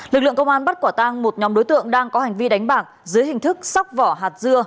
lực lượng công an bắt quả tang một nhóm đối tượng đang có hành vi đánh bạc dưới hình thức sóc vỏ hạt dưa